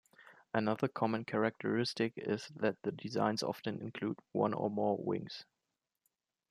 Another common characteristic is that the designs often include one or more wings.